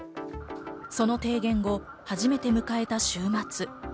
その提言後、初めて迎えた週末。